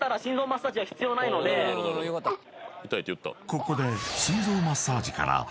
［ここで］